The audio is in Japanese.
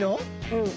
うん。